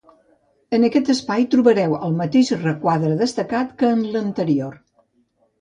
En aquest espai trobareu el mateix requadre destacat que en l’anterior.